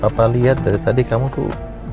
apa liat tadi tadi kamu kuk